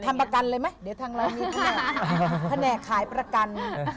ทำประกันเลยไหมเดี๋ยวทางเรามีแผนกขายประกัน